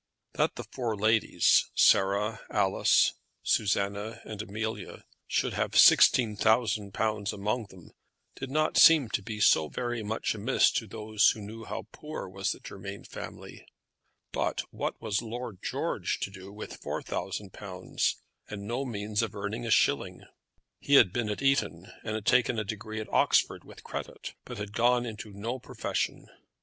That the four ladies, Sarah, Alice, Susanna, and Amelia, should have sixteen thousand pounds among them, did not seem to be so very much amiss to those who knew how poor was the Germain family; but what was Lord George to do with four thousand pounds, and no means of earning a shilling? He had been at Eton, and had taken a degree at Oxford with credit, but had gone into no profession.